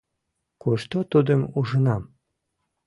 Кушто тудым ужынам?